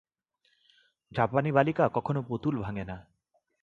জাপানী বালিকা কখনও পুতুল ভাঙে না।